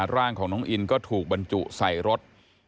ร่างของน้องอินก็ถูกบรรจุใส่รถ